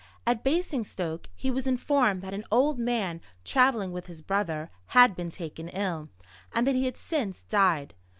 At Basingstoke he was informed that an old man, travelling with his brother, had been taken ill; and that he had since died.